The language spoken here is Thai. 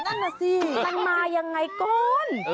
นั่นน่ะสิมันมายังไงก่อน